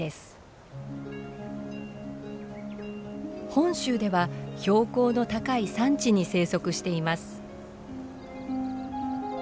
本州では標高の高い山地に生息しています。